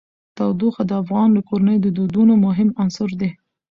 تودوخه د افغان کورنیو د دودونو مهم عنصر دی.